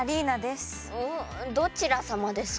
どちらさまですか？